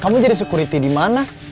kamu jadi security di mana